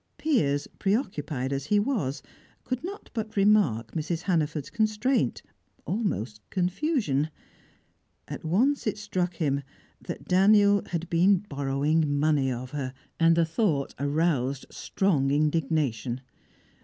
Piers, preoccupied as he was, could not but remark Mrs. Hannaford's constraint, almost confusion. At once it struck him that Daniel had been borrowing money of her, and the thought aroused strong indignation.